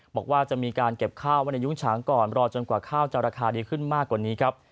บอกว่าจะมีการเก็บข้าวไว้ในยุ้งฉางก่อนรอจนกว่าข้าวจะราคาดีขึ้นมากกว่านี้ครับ